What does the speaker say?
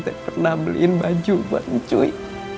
tidak pernah beliin baju buat mencuit